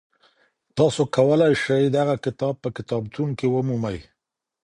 تاسو کولی شئ دغه کتاب په کتابتون کي ومومئ.